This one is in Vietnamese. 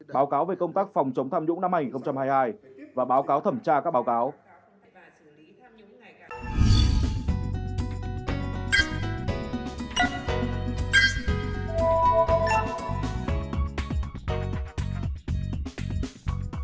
báo cáo về công tác phòng chống tham nhũng năm hai nghìn hai mươi hai và báo cáo thẩm tra các báo cáo